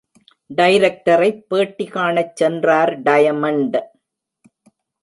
டைரக்டரைப் பேட்டி காணச் சென்றார் டயமண்ட்.